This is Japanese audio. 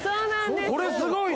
これ、すごいな。